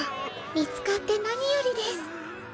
見つかって何よりです。